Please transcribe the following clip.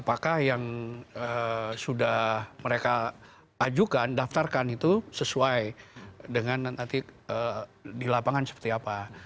apakah yang sudah mereka ajukan daftarkan itu sesuai dengan nanti di lapangan seperti apa